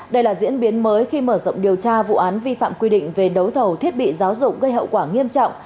đây là diễn biến mới khi mở rộng điều tra vụ án vi phạm quy định về đấu thầu thiết bị giáo dục gây hậu quả nghiêm trọng